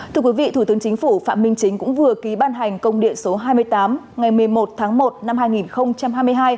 thưa quý vị thủ tướng chính phủ phạm minh chính cũng vừa ký ban hành công điện số hai mươi tám ngày một mươi một tháng một năm hai nghìn hai mươi hai